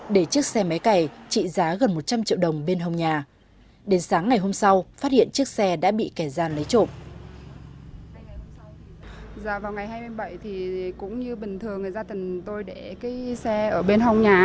để chiếc xe máy cày trị giá gần một trăm linh triệu đồng bên hồng nhà